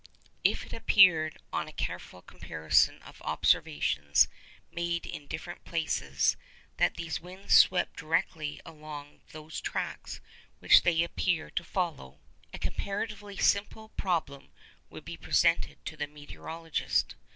If it appeared, on a careful comparison of observations made in different places, that these winds swept directly along those tracks which they appear to follow, a comparatively simple problem would be presented to the meteorologist.